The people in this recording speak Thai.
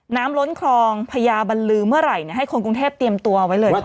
ล้นคลองพญาบัลลือเมื่อไหร่ให้คนกรุงเทพเตรียมตัวไว้เลย